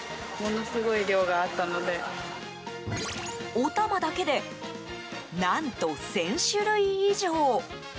おたまだけで何と１０００種類以上。